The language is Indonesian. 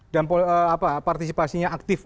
dan partisipasinya aktif